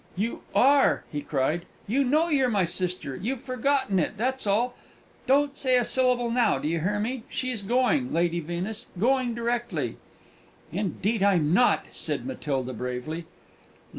"You are!" he cried. "You know you're my sister you've forgotten it, that's all.... Don't say a syllable now, do you hear me? She's going, Lady Venus, going directly!" "Indeed I'm not," said Matilda, bravely.